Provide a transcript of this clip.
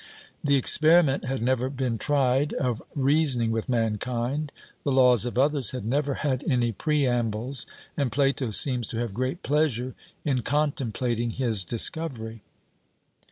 The experiment had never been tried of reasoning with mankind; the laws of others had never had any preambles, and Plato seems to have great pleasure in contemplating his discovery.